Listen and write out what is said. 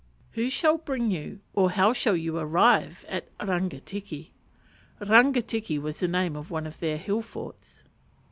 _" "Who shall bring you, or how shall you arrive, at Rangitiki?" Rangitiki was the name of one of their hill forts.